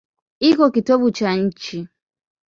Iko kitovu cha nchi.